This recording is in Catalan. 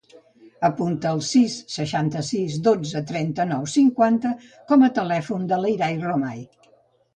Apunta el sis, seixanta-sis, dotze, trenta-nou, cinquanta com a telèfon de l'Irai Romay.